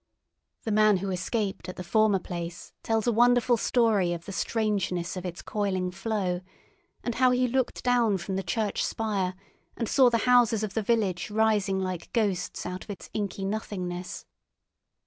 The man who escaped at the former place tells a wonderful story of the strangeness of its coiling flow, and how he looked down from the church spire and saw the houses of the village rising like ghosts out of its inky nothingness.